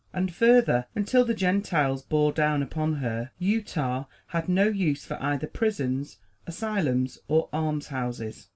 And further, until the Gentiles bore down upon her, Utah had no use for either prisons, asylums or almshouses.